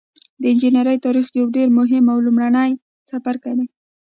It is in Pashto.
د انجنیری تاریخ یو ډیر مهم او لومړنی څپرکی دی.